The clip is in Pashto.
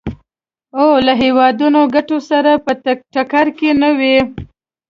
او له هېوادنیو ګټو سره په ټکر کې نه وي.